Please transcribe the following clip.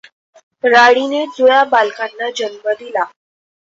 राणीने जुळ्या बालकांना जन्म दिला.